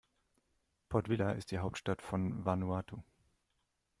Port Vila ist die Hauptstadt von Vanuatu.